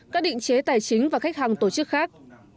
các định chế tài chính và khách hàng tổ chức khác